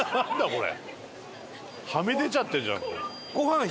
これ。